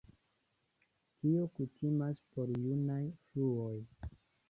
Tio kutimas por junaj fluoj.